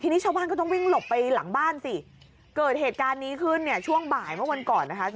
ทีนี้ชาวบ้านก็ต้องวิ่งหลบไปหลังบ้านสิถึงเหตุการณ์นี้ขึ้นช่วงบ่ายเมื่อง่อนก่อน